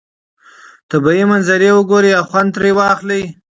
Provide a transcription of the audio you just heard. طبیعي منظرې وګورئ او خوند ترې واخلئ.